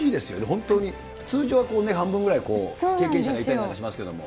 本当に、通常はこうね、半分ぐらい経験者がいたりなんかしますけれども。